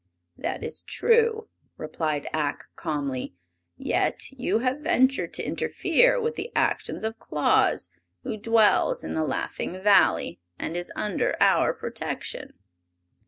"That is true," replied Ak, calmly. "Yet you have ventured to interfere with the actions of Claus, who dwells in the Laughing Valley, and is under our protection."